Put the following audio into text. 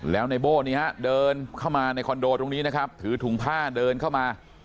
แล้วในโบ้นี่ฮะเดินเข้ามาในคอนโดตรงนี้นะครับถือถุงผ้าเดินเข้ามา